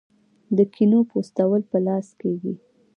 د کینو پوستول په لاس کیږي.